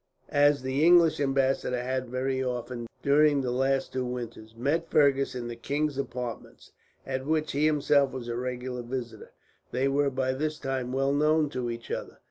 As the English ambassador had very often, during the last two winters, met Fergus in the king's apartments, at which he himself was a regular visitor, they were by this time well known to each other.